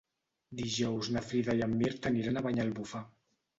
Dijous na Frida i en Mirt aniran a Banyalbufar.